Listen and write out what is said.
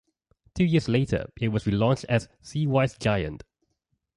Two years later it was relaunched as "Seawise Giant".